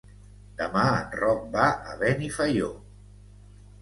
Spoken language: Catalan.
Demà en Roc va a Benifaió.